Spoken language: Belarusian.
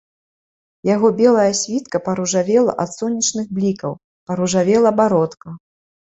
Яго белая світка паружавела ад сонечных блікаў, паружавела бародка.